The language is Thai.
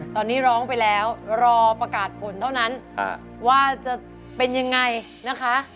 ตอนนี้ร้องไปแล้วรอประกาศผลเท่านั้นว่าจะเป็นยังไงนะคะ